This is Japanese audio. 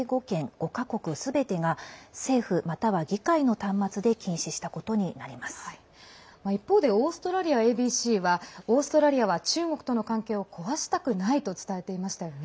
５か国すべてが政府、または議会の端末で一方でオーストラリアＡＢＣはオーストラリアは中国との関係を壊したくないと伝えていましたよね。